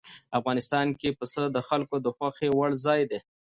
افغانستان کې پسه د خلکو د خوښې وړ ځای دی.